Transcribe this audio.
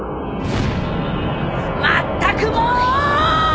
まったくもう！